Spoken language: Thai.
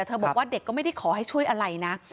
บอกว่าเด็กก็ไม่ได้ขอให้ช่วยอะไรนะ